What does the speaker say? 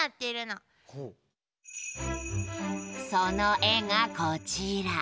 その絵がこちら。